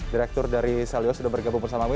direktur dari selyo sudah bergabung bersama kami